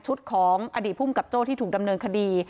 ของอดีตภูมิกับโจ้ที่ถูกดำเนินคดี